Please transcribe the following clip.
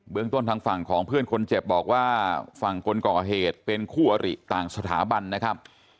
เมืองต้นทางฝั่งของเพื่อนคนเจ็บบอกว่าฝั่งคนก่อเหตุเป็นคู่อริต่างสถาบันนะครับ